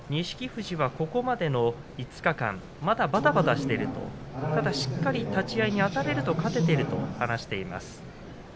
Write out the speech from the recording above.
富士はここまでの５日間まだ、ばたばたしているただしっかり立ち合いにあたれると勝てていると話しています。